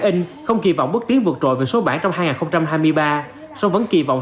in không kỳ vọng bước tiến vượt trội về số bản trong hai nghìn hai mươi ba song vẫn kỳ vọng